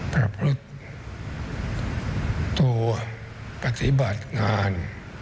ปรับรุษตัวปฏิบัติงาน